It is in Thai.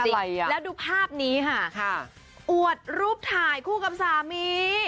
และดูภาพนี้อวดรูปถ่ายคู่กับสามี